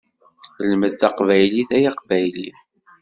Lmed taqbaylit ay aqbayli!